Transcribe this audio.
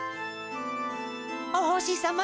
おほしさま。